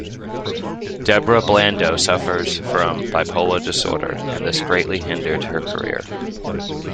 Deborah Blando suffers from bipolar disorder and this greatly hindered her career.